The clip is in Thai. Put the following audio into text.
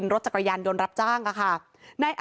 นี่นี่นี่นี่นี่